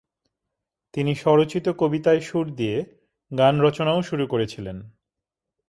তিনি স্বরচিত কবিতায় সুর দিয়ে গান রচনাও শুরু করেছিলেন।